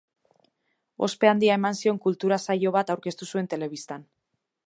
Ospe handia eman zion kultura-saio bat aurkeztu zuen telebistan.